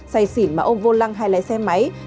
say xỉn mà ông vô lăng hay lái xe máy